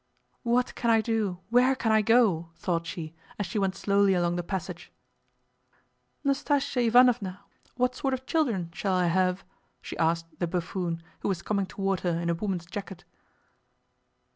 "What can I do, where can I go?" thought she, as she went slowly along the passage. "Nastásya Ivánovna, what sort of children shall I have?" she asked the buffoon, who was coming toward her in a woman's jacket.